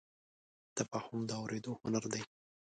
تفاهم د اورېدو هنر دی.